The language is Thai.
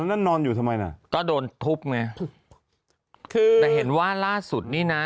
แล้วนอนอยู่ทำไมล่ะก็โดนทุบไงคือแต่เห็นว่าล่าสุดนี่นะ